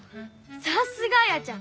さすがあやちゃん！